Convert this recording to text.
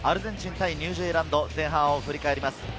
対ニュージーランド、前半を振り返ります。